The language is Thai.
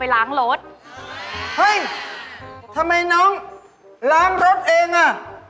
ล้างรถเองน่ะ